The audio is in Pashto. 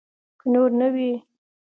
که نور نه وي.